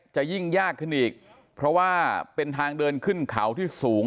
จะยิ่งยากขึ้นอีกเพราะว่าเป็นทางเดินขึ้นเขาที่สูง